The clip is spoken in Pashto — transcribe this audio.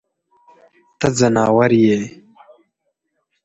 ته ځناور يې.